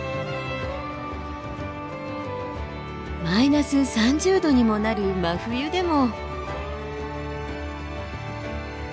マイナス３０度にもなる真冬でも。